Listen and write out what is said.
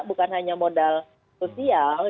bukan hanya modal sosial